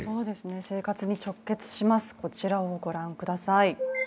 生活に直結します、こちらをご覧ください。